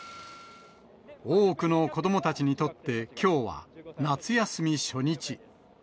多くの子どもたちにとってきょうは夏休み初日。